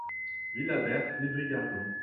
Villa Berthe, Livry-Gargan